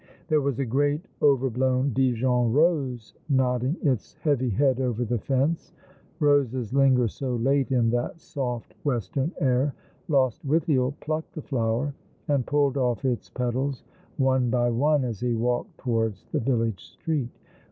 There was a great over blown Dijon rose nodding its heavy head over the fence. Eoses linger so late in that soft western air. Lostwithiel plucked the flower, and pulled off its petals one by one as he walked towards the village street.